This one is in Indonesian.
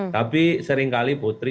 tapi seringkali putri